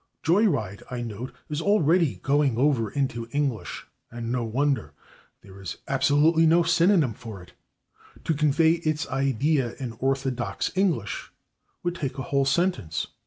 /Joy ride/, I note, is already going over into English, and no wonder. There is absolutely no synonym for it; to convey its idea in orthodox English would take a whole sentence.